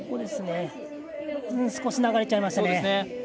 少し流れちゃいましたね。